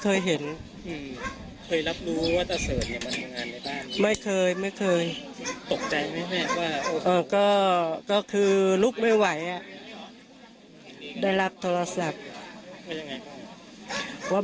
เคยเห็นไม่เคยไม่เคยก็คือลุกไม่ไหวได้รับโทรศัพท์ว่า